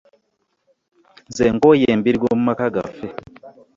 Nze nkooye embirigo mu maka gaffe.